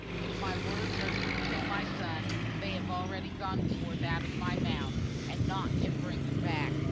If my words are to kill my son, they have already gone forth out of my mouth, and nought can bring them back.